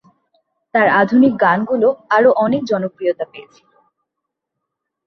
তার আধুনিক গানগুলো আরও অনেক জনপ্রিয়তা পেয়েছিল।